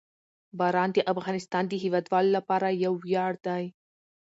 باران د افغانستان د هیوادوالو لپاره یو ویاړ دی.